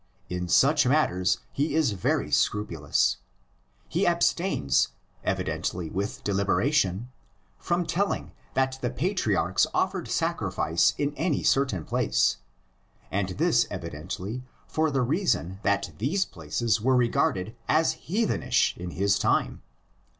In such matters he is very scrupulous. He abstains, evidently with deliberation, from telling that the patriarchs offered sacrifice in any certain place, and this evidently for the reason that these places were regarded as heathenish in his time.